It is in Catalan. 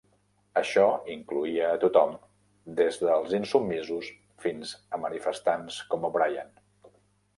Això incloïa a tothom, des dels insubmisos fins a manifestants com O'Brien.